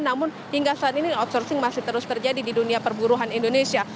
namun hingga saat ini outsourcing masih terus terjadi di dunia perburuhan indonesia